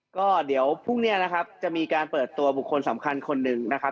ก็เดี๋ยวพรุ่งนี้นะครับจะมีการเปิดตัวบุคคลสำคัญคนหนึ่งนะครับ